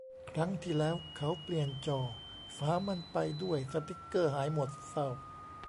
ครั้งที่แล้วเขาเปลี่ยนจอ ฝามันไปด้วย สติกเกอร์หายหมด เศร้า